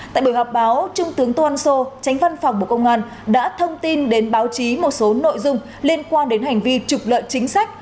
tại buổi họp báo trung tướng tô ân sô tránh văn phòng bộ công an đã thông tin đến báo chí một số nội dung liên quan đến hành vi trục lợi chính sách